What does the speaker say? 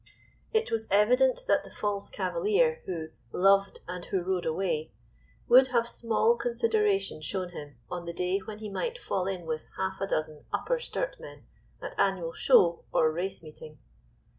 It was evident that the false cavalier who "loved, and who rode away," would have small consideration shown him on the day when he might fall in with half a dozen Upper Sturt men at annual show or race meeting.